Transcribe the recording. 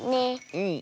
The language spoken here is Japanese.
うん。